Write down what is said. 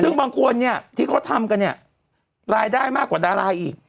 ซึ่งบางคนที่เขาทำกันรายได้มากกว่าดารายอีก